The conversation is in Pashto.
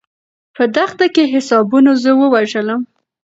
په دښته کې حسابونو زه ووژلم.